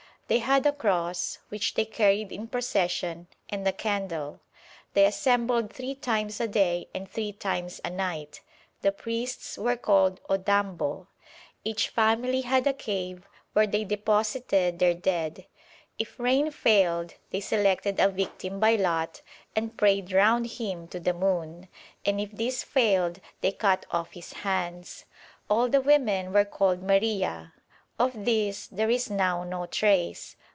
They had a cross, which they carried in procession, and a candle. They assembled three times a day and three times a night; the priests were called odambo. Each family had a cave where they deposited their dead. If rain failed they selected a victim by lot and prayed round him to the moon, and if this failed they cut off his hands. All the women were called Maria.' Of this there is now no trace.